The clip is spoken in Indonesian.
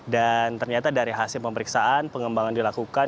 dan ternyata dari hasil pemeriksaan pengembangan dilakukan